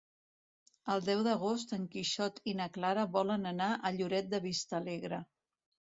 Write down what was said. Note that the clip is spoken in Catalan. El deu d'agost en Quixot i na Clara volen anar a Lloret de Vistalegre.